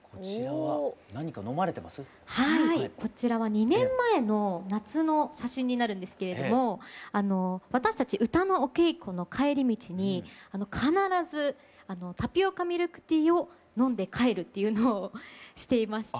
はいこちらは２年前の夏の写真になるんですけれども私たち歌のお稽古の帰り道に必ずタピオカミルクティーを飲んで帰るっていうのをしていまして。